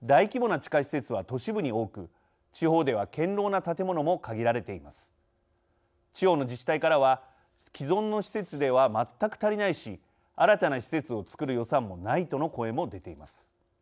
地方の自治体からは「既存の施設では全く足りないし新たな施設を造る予算もない」との声も出ています。